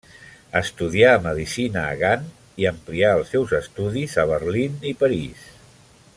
Estudià medicina a Gant i amplià els seus estudis a Berlín i París.